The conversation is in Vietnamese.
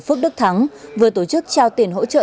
phước đức thắng vừa tổ chức trao tiền hỗ trợ